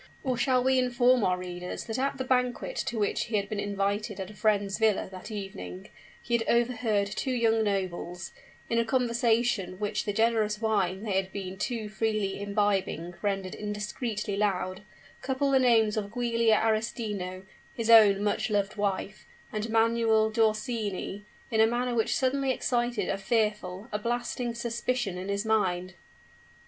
Or shall we inform our readers that at the banquet to which he had been invited at a friend's villa that evening, he had overheard two young nobles, in a conversation which the generous wine they had been too freely imbibing rendered indiscreetly loud, couple the names of Giulia Arestino, his own much loved wife, and Manuel d'Orsini, in a manner which suddenly excited a fearful, a blasting suspicion in his mind?